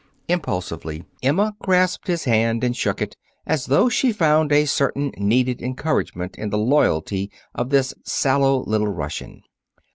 Impulsively Emma grasped his hand and shook it, as though she found a certain needed encouragement in the loyalty of this sallow little Russian.